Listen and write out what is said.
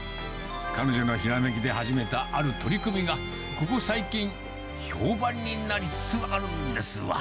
彼女のひらめきで始めたある取り組みが、ここ最近、評判になりつつあるんですわ。